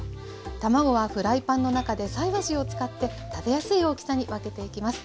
卵はフライパンの中で菜箸を使って食べやすい大きさに分けていきます。